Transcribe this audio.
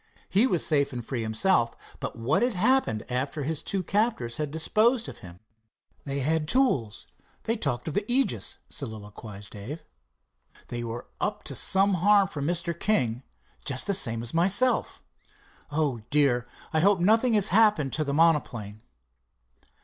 He was safe and free himself, but what had happened after his two captors had disposed of him? "They had tools, they talked of the Aegis," soliloquized Dave. "They were up to some harm for Mr. King, just the same as myself. Oh, dear, I hope nothing has happened to the monoplane!"